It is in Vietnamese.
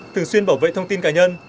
thường xuyên bảo vệ thông tin cá nhân